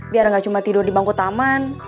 biar nggak cuma tidur di bangku taman